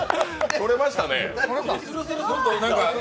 取れましたね。